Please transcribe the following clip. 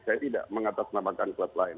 saya tidak mengatasnamakan klub lain